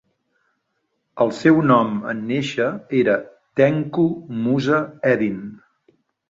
El seu nom en néixer era Tengku Musa Eddin.